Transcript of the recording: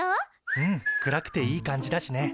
うん暗くていい感じだしね。